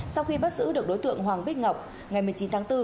sau khi bắt giữ được đối tượng hoàng bích ngọc ngày một mươi chín tháng bốn